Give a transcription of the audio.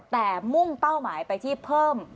แต่มุ่งเป้าหมายไปที่เพิ่ม